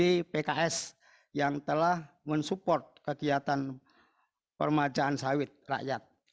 dari pks yang telah mensupport kegiatan permajaan sawit rakyat